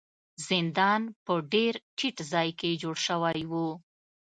زندان په ډیر ټیټ ځای کې جوړ شوی و.